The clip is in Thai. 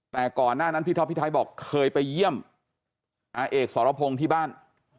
แต่ก่อนหน้านั้นพี่ท็อปพี่ไทยบอกเคยไปเยี่ยมอาเอกสรพงศ์ที่บ้าน